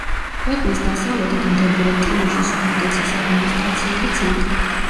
ქვეყნის დასავლეთით მდებარე ტიმიშის ჟუდეცის ადმინისტრაციული ცენტრი.